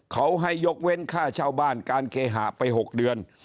เขาให้ยกเว้นค่าเช่าบ้านการเคหะไป๖เดือน